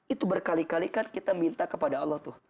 itu berkali kali kan kita minta kepada allah tuh